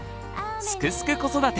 「すくすく子育て」